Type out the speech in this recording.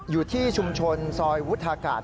อยู่ที่ชุมชนซอยวุฒากาศ